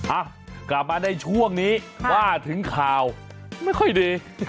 อ่ะกลับมาในช่วงนี้ว่าถึงข่าวไม่ค่อยดี